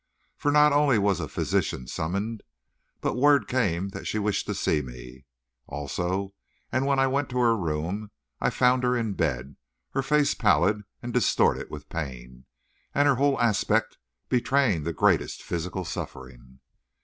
For not only was a physician summoned, but word came that she wished to see me, also; and when I went to her room I found her in bed, her face pallid and distorted with pain, and her whole aspect betraying the greatest physical suffering.